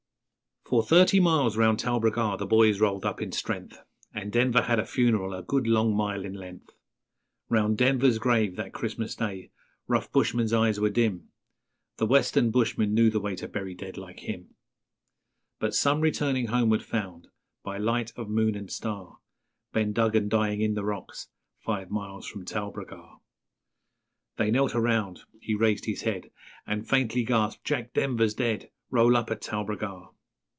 _ For thirty miles round Talbragar the boys rolled up in strength, And Denver had a funeral a good long mile in length; Round Denver's grave that Christmas day rough bushmen's eyes were dim The western bushmen knew the way to bury dead like him; But some returning homeward found, by light of moon and star, Ben Duggan dying in the rocks, five miles from Talbragar. _They knelt around, He raised his head And faintly gasped, 'Jack Denver's dead, Roll up at Talbragar!'